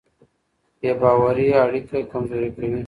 بې باورۍ اړیکې کمزورې کوي.